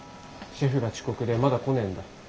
シェフが遅刻でまだ来ねえんだ。